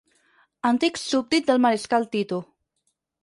Antic súbdit del mariscal Tito.